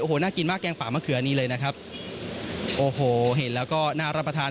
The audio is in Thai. โอ้โหน่ากินมากแกงป่ามะเขือนี้เลยนะครับโอ้โหเห็นแล้วก็น่ารับประทาน